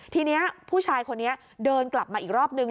ทีนี้ผู้ชายคนนี้เดินกลับมาอีกรอบนึง